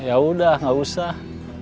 ya udah gak usah